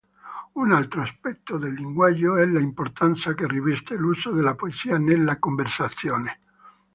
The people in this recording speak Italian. Un altro aspetto del linguaggio è l'importanza che riveste l'uso della poesia nella conversazione.